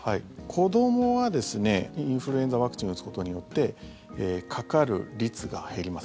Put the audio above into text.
子どもはインフルエンザワクチンを打つことによってかかる率が減ります。